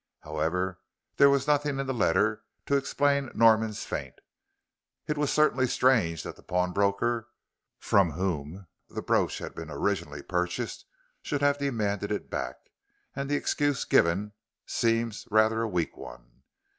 However, there was nothing in the letter to explain Norman's faint. It was certainly strange that the pawnbroker, from whom the brooch had been originally purchased, should have demanded it back; and the excuse given seems rather a weak one.